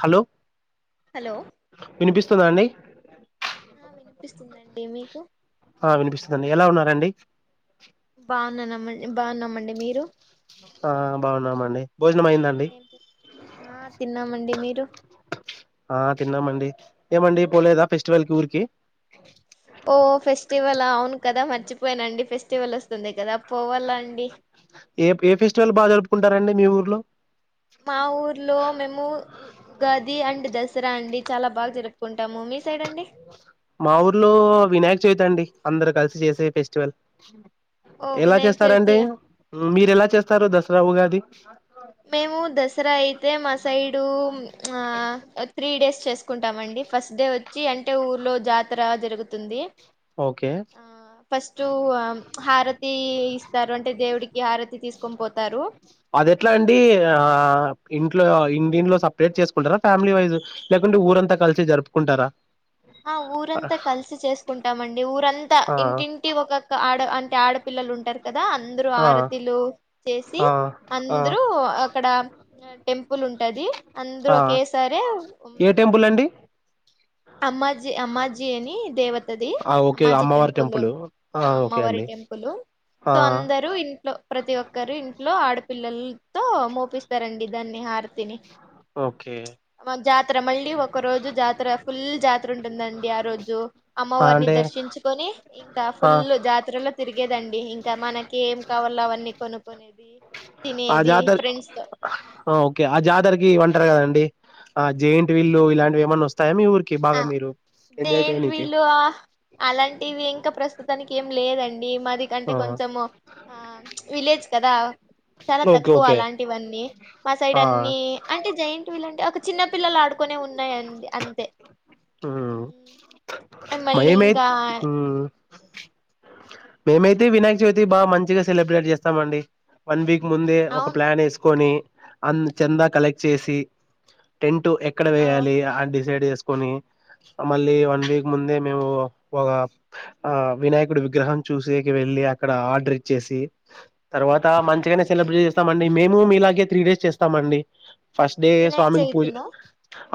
Hello hello వినిపిస్తుందండి ఆ వినిపిస్తుందండి మీకు ఆ వినిపిస్తుందండి ఎలా ఉన్నారండి బాగున్నామ్మండి బాగున్నామండి మీరు ఆ బాగున్నామండి భోజనం అయిందండి ఏం ఆ తిన్నామండి మీరు ఆ తిన్నామండి ఏమండి పోలేద ఫెస్టివల్ కి ఊరికి ఓ ఫెస్టివల్ అవును కదా మర్చిపోయానండి ఫెస్టి ళ్ల వస్తుంది కదా పోవాలండి ఏ ఏ ఫెస్టివల్ బా జరుపుకుంటారండి మీ ఊర్లో మా ఊర్లో మేము ఉగాది అండ్ దసరా అండి చాలా బాగా జరుపుకున్ మా ఊర్లో వినాయక్ చేత అండి అందరుూ కలిసి చేసే ఫెస్టివల్ ఓ ఎలా వినాయక చవితి చేస్తారండి మీరు ఎలా చేస్తారు దశ రావుగాది మేము దసరా అయితే మా సైడు త్రీ డేస్ చేసుకుంటామండి ఫస్ట్ డే వచ్చి అంటే ఊర్లో జాతర జరుగుతుంది ఓకే ఆ ఫస్ట్ హారతి ఇస్తారు అంటే దేవుడికి హారతి తీసుకొని పోతారు అది ఎట్లా అండి ఆ ఇంట్లో ఇంటింట్లో సపరేట్ చేసుకుంటారా ఫ్యామిలీ వైజ లేకుంటే ఊరంతా కలిసి జరుపుకుంటారా ఆ ఊరంతా కలిసి చేసుకుంటామండి ఊరంతా ఆ ఇంటింటి ఒక్క ఆడ అంటే ఆడపిల్ల వాళ్ళు ఉంటర కదా అందరు ఆ ఆరతిలు చేసి ఆ ఆ అందరూ అక్కడ టెంపుల్ ఉంటది అందరు ఆ ఒకేసరే ఏ టెంపుల్ అండి అమ్మా అమ్మాజీ అని దేవతది ఆ ఓకే అమ్మాజీ అమ్మవారి టెంపుల్ ఆ ఓకే అమ్మవారి అండి టెంపుల్ ఆ సో అందరు ఇంట్లో ప్రతి ఒక్కరు ఇంట్లో ఆడ పిల్లలతో మోపిస్తారండి దాన్ని హరతిని ఓకే ఒక రోజు జాతర ఫుల్ జాతర ఉంటుందండి ఆ రోజు ఆ! అమ్మవారిని అంటే దర్శించుకొని ఇంకా ఆ ఫుల్ జాతరలో తిరిగేదండి ఇంకా మనకి ఏం కావాలో అవన్నీ కొనుకునేది ఆ తినేది జాతర ఫ్రెండ్స్ తో ఆ! ఓకే ఆ జాతరకి ఇవ్వంటారు కదండి ఆ జయింటి వీళ్లు ఇలాంటివి ఏమన్నా వస్తాయా మీఊ ఆ జెయింట్ వీలు అలాంటివి ఇంకా ప్రస్తుతానికి ఏం లేదండి మాది కంటే ఆ కొంచెం ఆ విలేజ్ కదా చాలా ఓకే తక్కువ ఓకే అలాంటివన్నీ మా సైడ్ ఆ అన్ని అంటే జైట్ వీళ్ళంటే ఒక చిన్న పిల్లలు ఆడుకునే ఉన్నాయిడి అంతే ఉమ్, మళ్ళీ మహమ ఇంకా మేమైతే వినాయక్ ఇం- చవితి బాగా మంచిగా సెలబ్రేట్ చేస్తామండి వన్ వీక్ ముందే ఒక అవును ప్లాన్ వేసుకొని అ చందా కలెక్ట్ చేసి టెంట్ ఎక్కడ ఆ వయాలి అని డిసైడ్ చే కని మళ్ళీ వన్ వీక్ ముందే మేము ఒక ఆ వినాయకుడు విగ్రహం చూసేకి వెళ్ళి అక్కడ ఆర్డర్ ఇచ్చేసి, తర్వాత మంచిగానే సెలబ్రేట్ చేస్తామండి మేము మీలాగే త్రీ డేస్ చేస్తాం అండి. ఫస్ట్ డే వినాయక స్వామికి పూజ చవితినా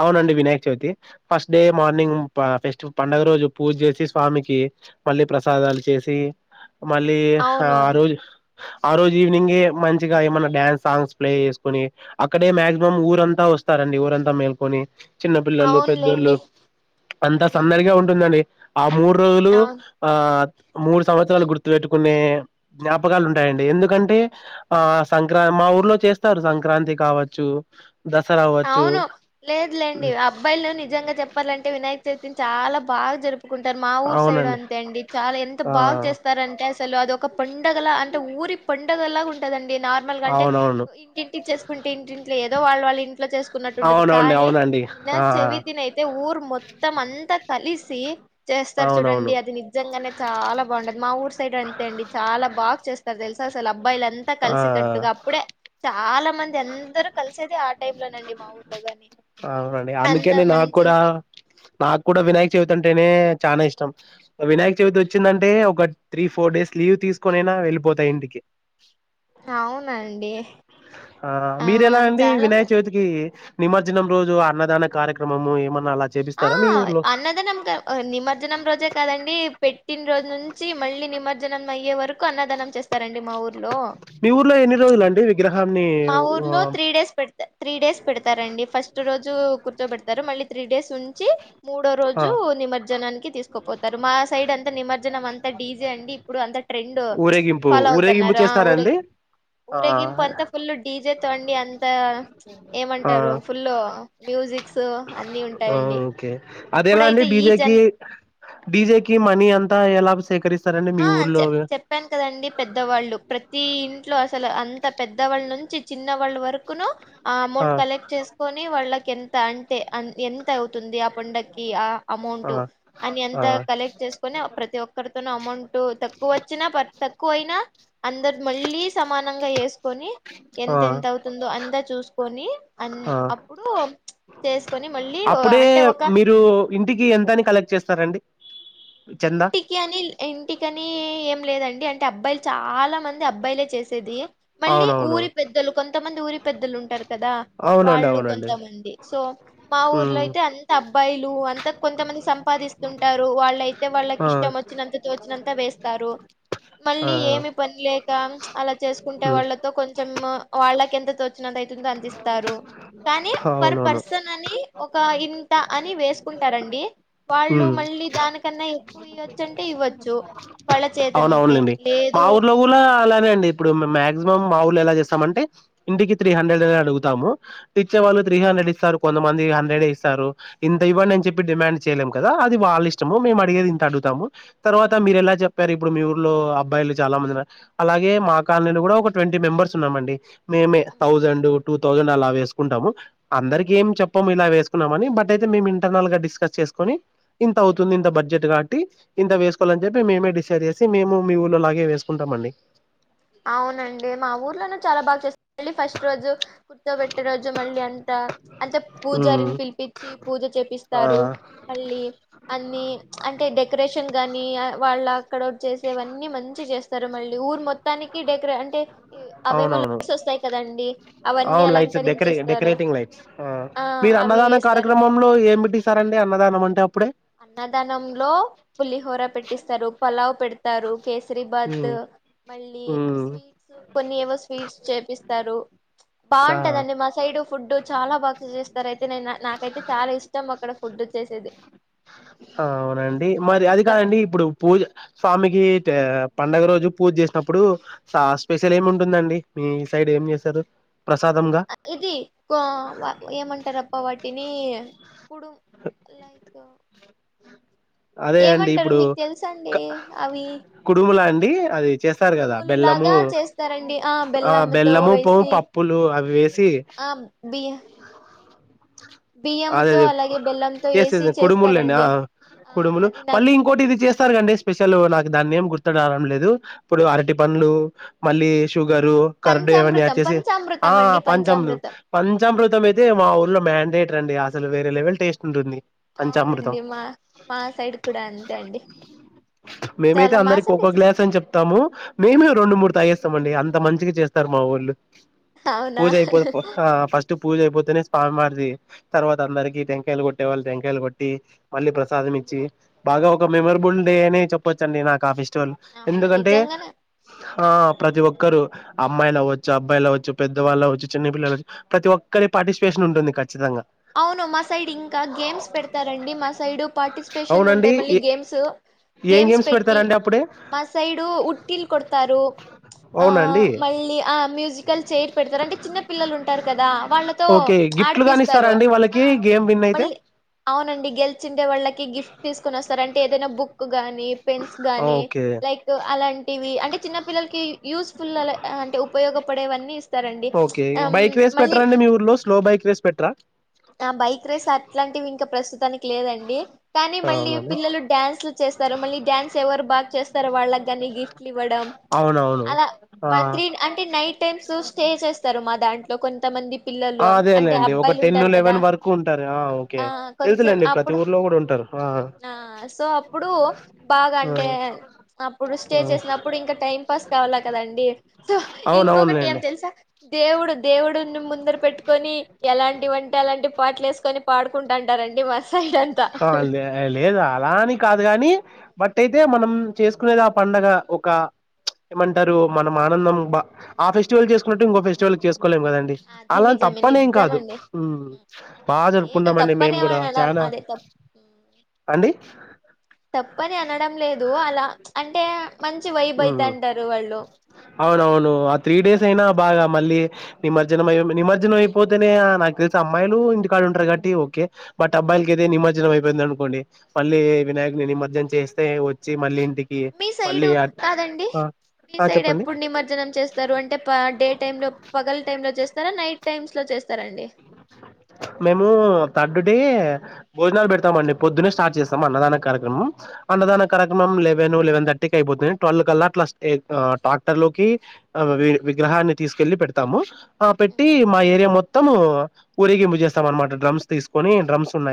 అవునండి Vinayak Chavithi first day morning పా ఫెస్టివ్ పండుగ రోజు పూజ్ చేసి స్వామికి మళ్ళీ ప్రసాదాలు చేస్ తీ మళ్ళీ ఆ అవునవును రోజు ఆ రోజు ఈవినింగే మంచిగా ఏమన్నా డ్యాన్స్ సాంగ్స్ ప్లే చేసుకొని, అక్కడే మాక్సిమం ఊరంతా వస్తారండి ఊరంతా మేల్కొని. చిన్న పిల్లలు పెద్దోళ్ళు, అవునులేండి అంతా ఉమ్, సందడిగా ఉంటుందండి. ఆ మూడు రోజులు అవును ఆ మూడు సంవత్సరాలు గుర్తుపెట్టుకునే జ్ఞాపకాలు ఉంటాయండి. ఎందుకంటే ఆ సంక్రా ఏమో మా ఊర్లో చేస్తారు సంక్రాంతి కావచ్చు దసరా అవ్వచ్చు అవును లేదులేండి ఉమ్, అబ్బాయిలు నిజంగా చెప్పాలంటే వినాయక్ చవితి చాలా బాగా జార్ప్ ఒప్పుకుంటారు మా ఊరు సైడ్ అవునండి అంతే అండి, చాలా ఎంత ఆ బాగు చేస్తారంటే అసలు అద ఒక పండుగల అంటే ఊరి పాన్ పండగలా ఉంటదండి. దే నార్మల్గా గాంటే అవునవును ఇంటింటి చేసుకుంటే ఇంటింటిట్లో ఏదో వాళ్ళ వాళ్ళ ఇన్ చేసుకున్నట్టుంటదు అవునవుండి కానీ అవునండి ఆ వినాయక్ చవితినీ అయితే ఊరు మొత్తం అన్ అంత కలిసి చేస్తారు చూడండి అవునవును అది నిజంగానే చాలా బాగుండది. మా ఊరు సైడ్ అంతే అండి చాలా బాగా చేస్తారు టేల్స్ [unintelligible] వళ్ళంతా అంతా ఆ కలిసి కట్టుగా అప్పుడే చాలా మంది అందరుూ కలిసేది టై లోనండి మా ఊర్లో గాని అవునండి అంత అందుకని నాకు మంచి కూడా, నాకు కూడా వినాయక చవితంటే అంటేనే చాలా ఇష్టం వినాయక చవితి వచ్చిందంటే ఒక త్రీ ఫోర్ డేస్ లీవ్ తీసుకొనేనా వెళ్ళిపోత ఇంటికి అవునండి ఆ మీర్ ఎలా అండి చాలా వినయ్ చవితికి నిమ దినం రోజు అన్నదాన కార్యక్రమము ఏమన్నా అలా ఆ చేపిస్తారా మీ ఊర్లో అన్నదనం క నిమజ్జనం రోజే కదండి పెట్టిన రోజు నున్ చి మళ్ళీ నిమజ్జనం అయే వరకు అన్నదనం చేస్తారండి మా ఊర్ మీ ఊర్లో ఎన్ని రోజులు అండి విగ్ర మా ఊర్లో త్రీ డేస్ పెడితే త్రీ డేస్ పెడతారండి ఫస్ట్ రోజు కూర్చ పెడతారు మళ్ళీ త్రీ డేస్ ఉంచి మూడో ఆ రోజు నిమజ్జనాన్ తీసుకు పోతారు. మా సైడ్ అంత నిమరజ్జనం అంత డీజె అండి. ఇప్పుడు అంత ట్రెండ్ ఊరేగింపు ఫాలో ఊరేగింపు అవుతున్నారు. ఆ ఊరే చేస్తారండి ఆ ఊరేగింపు అంత డీజే తోండి అంత ఏమంటారు. ఫుల్ మ్యూజిక్ ఆ ఓకే అద ఎలాండి. ఇప్పుడైతే ఈ జన్ డిజెకి డిజెకిి మనీ అంతా ఎలా సేకరిస్ ఆ చెప్ చెప్పాను కదండి. పెద్దవాళ్ళు ప్రతి ఇంట్లో అస్ అసలు అంత పెద్దవాళ్ళ నుంచి చిన్న వాళ్ళ వరకును ఆ అమౌంట్ కలెక్ట్ చేసుకొని వాళ్ళకి ఎంత అంటే ఎంత అవుతుంది ఆ పండక్కి ఆ అమౌంట్ ఆ అని ఆ ఎంత కలెక్ట్ చేసుకుని, ప్రతి ఒక్కరితోనూ అమౌంట్ తక్కువ వచ్చినా పర్ తక్కువైనా అందరు మళ్ళీ సమానంగా వేసుకొని ఆ ఎంత ఎంత అవుతుందో, అంతా చూసుకొని అన్ ఆ అప్పుడు చేసుకొని మళ్ళీ అప్పుడే అంటే ఒక మీరు ఇంటికి ఎంతని కలెక్ట్ చేస్తారండి చందా ఇంటికి అని ఇంటికని ఏం లేదండి. అంటే అబ్బాయిలు చాలా మంది అది అబ్బాయిలే చేసేది. మళ్ళీ అవునవును ఊరి పెద్దలు కొంతమంది ఊరి పెద్దలు ఉంటారు. కదా అవునండి వాళ్ళు అవునండి కొంతమంది సో మా ఊర్లో ఉమ్ అయితే అంత అబ్బాయిలు అంత కొంతమంది సంపాదిస్తుంటరు. వాళ్ళయి వాళ్ళకి ఆ ఇష్టం వొచ్చినంత తోచినంత వేస్తారు. ఆ ఆ, మళ్ళీ ఏమి పని లేక అలా చేసుకుంటే ఉమ్, కొంచము వాళ్ళకి ఎంత తోచి [unintelligible] అందిస్తారు. కానీ పర్ అవునవును పర్సన్ అని ఒక ఇంత అని వేసుకుంటారండి. వాళ్ళు ఉమ్, మళ్ళీ దాని వాళ్ళ అవును చేతనైతే అవునులేండి. మా లేదు ఊర్లో కూడా హ్మ్. అలానే అండి ఇప్పుడు మాక్సిమం మా ఊర్లో ఎలా చేస్తామంటే ఇంటికి త్రీ హండ్రెడ్ అడుగుతాము. ఇచ్చే వాళ్ళు త్రీ హండ్రెడ్ ఇస్తారు కొంతమంది హండ్రెడే ఇస్తారు. ఇంత ఇవ్వండి అని చెప్పి డిమాండ్ చేయలేము. కదా అది వాళ్ళు ఇష్టము. మేము అడిగేది ఇంత అడుతాము. తర్వాత మీరు ఎలా చెప్పారు ఇప్పుడు మీ ఊర్లో అబ్బాయిలు చాలా మందిన్నారు. అలాగే మా కాలనీలు కూడా ఒక ట్వంటీ మెంబర్స్ ఉన్నామండి. మేమే తౌసండు టూ థౌజండ్ అలా వేసుకుంటాము. అందరికి ఏం చెప్పము ఇలా వేసుకున్నామని, బట్ అయితే మేము ఇంటర్నల్ గా డిస్కస్ చేసుకొని ఇంత అవుతుంది. ఇంత బడ్జెట్ కాబట్టి ఇంత వేసుకోవాలని చెప్పి మేమే డిసైడ్ చేసి మేము మీ ఊళ్ళోలాగే వేసుకుంటామండి. అవునండి. మా ఊర్లోనే చాలా బాగ చేస్ మళ్ళీ ఫస్ట్ రోజు కూర్చోపెట్టే రోజు మళ్ళీ అంతా అంటె ఉమ్ పూజారిని పిలిపించి పూజ ఆ చేపిస్తారు. మళ్ళీ అన్ని అంటే డెకరేషన్ దాన్నీ వాళ్లా [unintelligible] చేసేవన్నీ మంచి చేస్ సరే మళ్ళీ ఊరు మొ అవునవును లైట్స్ వస్తాయి కదండి అవన్నీ అవును లైట్స్ డెకరే అలంకరించేస్తారు డెకరేటింగ్ లైట్స్ ఆ మీరు అవి అన్నదానం వేస్తారు కార్యక్రమంలో ఏమిట్టిస్తారండి. అన్నదానం అంటే అప్పుడే అన్నదానంలో పులిహోర పెట్టిస్తారు. ప లౌప్ పెడ్ తారు కేసరి బాత్ ఉమ్ మల్ ల్లీ ఉమ్ స్వీట్సు కొన్ని ఏవో స్వీట్స్ చేపిస్తారు. ఆ బాంటదండి మా సైడు ఫుడ్డు చాలా బాగా [unintelligible] స్తారు అయితే నేను నాకైతే చాలా ఇష్టం అక్కడ ఫుడ్డు చేసేది. ఔనండి మరి చాలా అది కాదండి ఇష్టపడతా ఇప్పుడు పూజ స్వామికి టె. పండగ రోజు పూజ్ జేస్నప్పుడు స స్పెషలేముంటుందండి మీ సైడ్ ఏం చేశారు. అ ఇది కోవా ఏమంటారప్ప వాటిని కుడుమ్. లైక్ అదే అండి ఏమంటారు ఇప్పుడు మీకు తెలుస క్ అండి అవి కుడుములా. డి అది చేస్తార్ కదా కుడుములు బెల్లము లాగా చేస్తారండి ఆ బెల్లంతో బెల్లము పొవ్ వేసి పప్పులు అవి వేసి. ఆ బియ్య బియ్యంతో అదేదే అలాగే బెల్లంతో వేసి ఏసేదే కుడుముల్లేండి చేస్తారండి ఆ ఆ కుడుములు అది మళ్ళి నాకు ఇంకోటిది చేస్తారు కండి స్పెషల్ నాక్. దాన్నేమ్ గుర్తుడాడమ్ లేదు ఇప్పుడు అరటి పండ్లు మళ్ళీ. టుగరు కర్డు ఏవన్నీ యాడ్ పంచామృతం చేసి ఆ పంచామృతం అండి పంచామృం పంచామృతం పంచామృతంయితే మా ఊర్లో మ్యాండేట్. ట్రండి అసలు వేరే లెవెల్ టేస్టుంటుంది. పంచామృతం అవునండి మా మా సైడ్ కూడా అంతే అండి మేమైతే చాలా మా అందరికొకొ సైడ్ గ్లాసని చెప్తాము మేమే రెండు మూడ్ తాగేస్. ఇస్తమండి అంత మంచికి చేస్తారు మా వోళ్ళు. అవునా పూజయిపో పో హ పస్టు పస్ట్ పూజయిపోతేనే స్పాన్ మారిది. తర్వాతందరికి టెంకాయల్ గొట్టే వాళ్ళ్ టెంకాయలు గొట్టి మళ్ళీ ప్రసాదమిచ్చి బాగా ఒక మెమరబుల్ డే అని చెప్పొచ్చండి నాకాఫె. అవును ఎందుకంటే నిజంగానే ఆ ప్రతి ఒ. ఒక్కరు అమ్మాయిలవ్వొచ్చు అబాయిలవ్వొచ్చు పెద్దవాళ్ళువ్వచ్చు చిన్న పిల్లలు ప్రతి ఒక్కరి పార్టిసిపేషనుంటుంది ఖచ్చితంగ. అవును మా సైడ్ ఇంక గేమ్స్ పెడతారండి మా సైడు పార్టిసిపేషన్ అవునండి ఉంటాయ్ మళ్ళీ ఏ గేమ్స్. ఏం గేమ్స్ పెట్టి పెడతారండి అప్పుడే మా సైడు ఉట్టిల్ కొడతారు ఆ అవునండి మళ్ళీ అ. కల్ చెయ్ర్ పెడతారు అంటే చిన్న పిల్లలుంటరు కదా వాళ్ళతో ఓకే గిఫ్ట్లు కాని ఇస్తారా ఆడిపిస్తారు. అండి ఆ వాళ్ళకి గేమ్ విన్ అయితే మళ్ళీ అవునండి గెల్చిండే వాళ్ళకి గిఫ్ట్ తీస్కొనొస్తార్ అంటే ఏదైనా బుక్. గాని పెన్స్ గాని ఓకే లైక్ అలాంటివి అంటే చిన్న పిల్లలకి యూజ్. ఫుల్ అలా ఓకే అమ్, బైక్ రేస్ మళ్ళీ పెట్ట్రాండి మీ ఊర్లో స్లో బైక్ రేస్ పెట్ట్రా. ఆ బైక్ రేస్ అట్లాంటివి ఇంకా ప్రస్తుతానికి లేదండి కానీ మళ్ళీ అవునండి పిల్లలు డ్యాన్స్లు చేస్తారు మళ్ళీ డ్యాన్స్ ఎవరు బాగా చేస్తారు వాళ్ళకి కాని గిఫ్ట్లు ఇవ్వడం అవునవును అలా ఆ మ త్రీ అంటే నైట్ టైమ్స్ స్టే చేస్తారు మా దాంట్లో లో కొంత మంది పిల్లలు ఆ అంటే అదేలేండి ఒక అబ్బాయిలు టెన్ ఉంటారు కదా లెవెన్ వరకు ఉంటారు ఓకే ఆ కొంచెం తెలుసులేండి ప్రతి అప్పుడు ఊర్లో కూడా ఉంటారు ఆ సో అప్పుడు బాగా ఆ అంటే అప్పుడు స్టే ఆ చేసినప్పుడు ఇంకా టైం పాస్ కావాలా కదాండి సో ఇంకొకటి ఏం అవునవునులేండి తెలుసా దేవుడు దేవుడుని ముందర పెట్టుకొని ఎలాంటివంటి ఎలాంటి పాటలు యేసుకొని పాడుకుంటు అంటారండి అ లేదు అలా అని కాదు గాని బట్ అయితే మనం చేసుకునేది ఆ పంండగ ఒక ఏమంటారు మనం ఆనందం బా ఆ ఫెస్టివల్ జేసుకున్నట్టు ఇంకో ఫెస్టివల్ చేసుకు కోలేం కదండి అది అలా నిజమే తప్పనేం కాదు నిజమండి హ్మ్. బాగా లేదు జరుపుకుంటామ అండి తప్పని మేము కూడా ఏమనడం చనాా అదే తప్ తప్పని అనడం లేదు అలా అంటే మంచి వైబ్ అయితంటారు వాళ్ళు అవున అవును ఆ త్రీ డేస్ అయినా బాగా మళ్ళీ నిమజ్జనం అయి నిమజ్జనం అయిపోతేనే నాగ్దెలిసి అమ్మాయిలు ఇంటికాడు ఉంటారు కాబట్టి ఓకే బట్ అబ్బాయికికైతే నిమజ్జనం అయిపోయింది అనుకోండి మళ్ళీ వినాయక్ని నిమజ్జం చేస్తే వచ్చి మళ్ళీ ఎకి మీ సైడు పల్లి ఆట్ కాదండి మీ సైడ్ ఎప్పుడు నిమజ్జనం చేస్తారు అంటే డే టై లో పగల టై లో చేస్తారా నైట్ టైమ్స్ లో చేస్తారండి మేము థర్డ్ డే భోజనాలు పెడతామండి పొద్దునే స్టార్ట్ చేస్తాం అన్నదానం కార్యక్రమం అన్నదాన ఉమ్ కార్యక్రమం లే లెవెన్ లెవెన్ థర్టీ క అయిపోతుంది ట్వెల్వ్ కల్లా అట్లా ట్రాక్టర్ లోకి విగ్రహాన్ని తీసుకెల్లి పెడతాము ఆ ఉమ్ పెట్టి మా ఏరియా మొ తము ఊరిగింపు జేస్తాం మనమాట డ్రమ్స్ తీసుకొని డ్రమ్స్ ఉన్నాయి